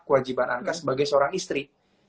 kewajiban anka sebagai seorang istri